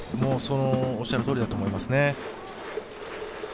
おっしゃるとおりだと思いますね。